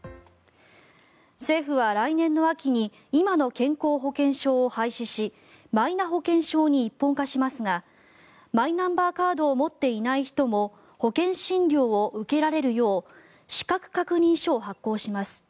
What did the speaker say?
政府は来年の秋に今の健康保険証を廃止しマイナ保険証に一本化しますがマイナンバーカードを持っていない人も保険診療を受けられるよう資格確認書を発行します。